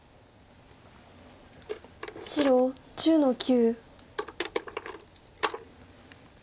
白１０の九。